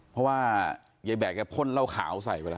เพราะว่ายายแบกแกพ่นเหล้าขาวใส่ไปแล้ว